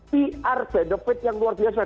pr benefit yang luar biasa